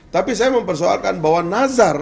tapi saya mempersoalkan bahwa nazar